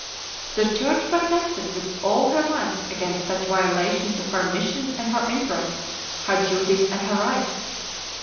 The Church protested with all her might against such violations of her mission and her interest, her duties and her rights.